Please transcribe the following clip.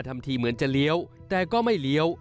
ทำทีเหมือนจะเลี้ยวแต่ก็ไม่เลี้ยว